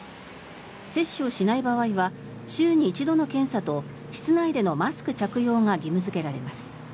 接種をしない場合は週に１度の検査と室内でのマスク着用が義務付けられます。